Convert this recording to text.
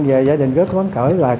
và gia đình rất khó khăn cỡ